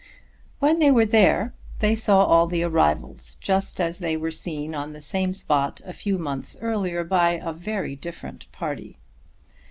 When they were there they saw all the arrivals just as they were seen on the same spot a few months earlier by a very different party.